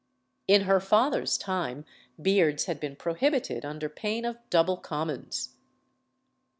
In her father's time beards had been prohibited under pain of double commons.